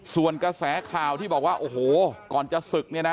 ส่วนกระแสข่าวที่บอกว่าโอ้โหก่อนจะศึกเนี่ยนะ